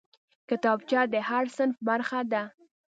کتابچه د هر صنف برخه ده